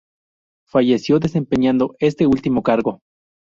Falleció desempeñando este último cargo.